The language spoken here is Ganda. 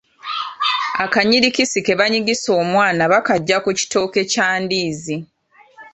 Akanyirikisi ke banyigisa omwana bakajja ku kitooke kya ndiizi.